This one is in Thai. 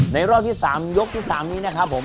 รอบที่๓ยกที่๓นี้นะครับผม